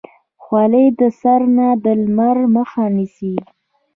خولۍ د سر نه د لمر مخه نیسي.